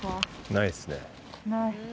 ないっすね。